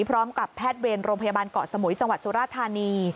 พร้อมกับแพทย์เวรโรงพยาบาลเกาะสมุยจังหวัดสุราธานี